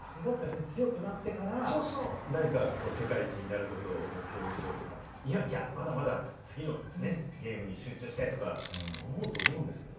普通だったら強くなってから世界一になることを目標にしようとか、いや、まだまだ次のゲームに集中したいとか思うと思うんですね。